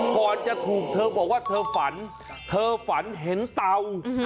ก่อนจะถูกเธอบอกว่าเธอฝันเธอฝันเห็นเตา